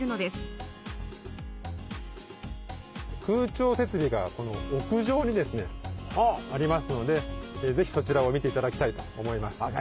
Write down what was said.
空調設備がこの屋上にありますのでぜひそちらを見ていただきたいと思います。